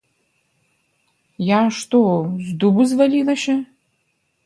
Я што, з дубу звалілася?